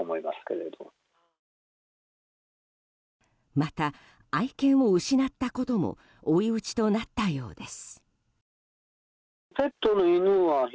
また愛犬を失ったことも追い打ちとなったようです。